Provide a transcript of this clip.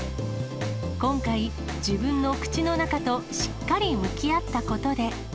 今回、自分の口の中としっかり向き合ったことで。